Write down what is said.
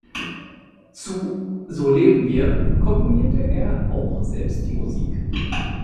Zu "So leben wir" komponierte er auch selbst die Musik.